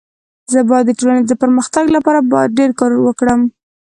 زه بايد د ټولني د پرمختګ لپاره باید ډير کار وکړم.